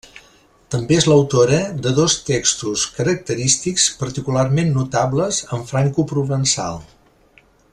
També és l'autora de dos textos característics particularment notables en francoprovençal.